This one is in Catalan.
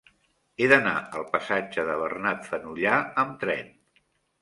He d'anar al passatge de Bernat Fenollar amb tren.